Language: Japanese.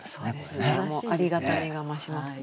もうありがたみが増しますね。